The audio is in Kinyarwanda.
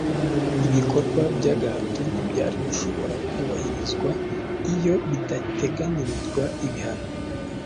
Ibikorwa by'agahato ntibyari gushobora kubahirizwa iyo bidateganyirizwa ibihano.